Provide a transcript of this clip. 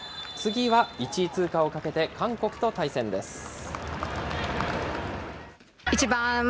次は１位通過をかけて韓国と対戦です。